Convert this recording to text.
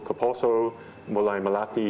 ke poso mulai melatih